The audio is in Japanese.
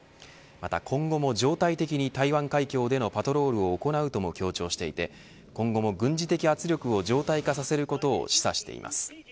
また今後も常態的に台湾海峡でのパトロールを行うとも強調していて、今後も軍事的圧力を常態化させることを示唆しています。